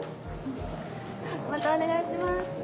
またお願いします。